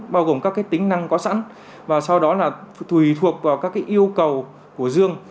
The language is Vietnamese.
bao gồm các tính năng có sẵn và sau đó là thùy thuộc vào các yêu cầu của dương